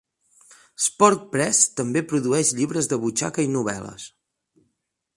Spork Press també produeix llibres de butxaca i novel·les.